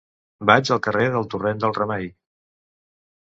Vaig al carrer del Torrent del Remei.